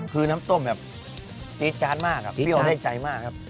คือน้ำต้มแบบจี๊ดจาดมากเปรี้ยวได้ใจมากครับ